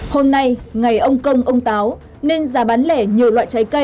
hôm nay ngày ông công ông táo nên giá bán lẻ nhiều loại trái cây